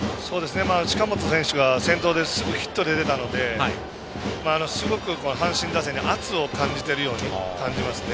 近本選手が先頭でヒットで出たのですごく阪神打線に圧を感じているように感じますね。